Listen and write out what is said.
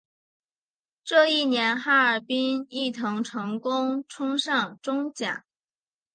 这一年哈尔滨毅腾成功冲上中甲。